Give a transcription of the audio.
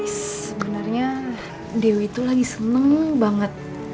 is sebenarnya dewi tuh lagi seneng banget